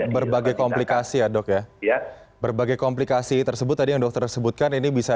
berbagai komplikasi ya dok ya berbagai komplikasi tersebut tadi yang dokter sebutkan ini bisa